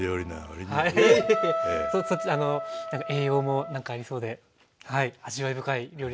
栄養もなんかありそうではい味わい深い料理ですね。